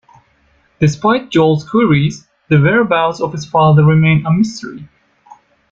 Despite Joel's queries, the whereabouts of his father remain a mystery.